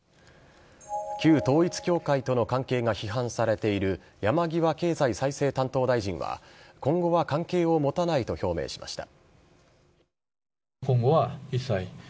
旧統一教会との関係が批判されている山際経済再生担当大臣は今後は関係を持たないと表明しました。